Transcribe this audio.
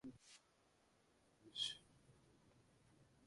The beach has many unusual features for the Isle of Portland.